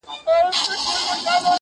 تاریخ د انسان حافظه بلل کېږي